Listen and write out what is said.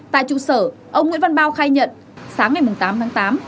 tại trụ sở ông nguyễn văn bao khai nhận sáng ngày tám tháng tám